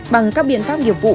bằng các biện pháp nghiệp vụ